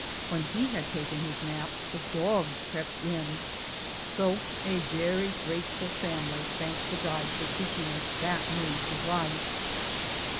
When he had taken his nap the dogs crept in ; so a very grateful family thanked the guide for teaching us that new device.